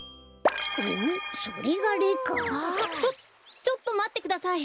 ちょちょっとまってください。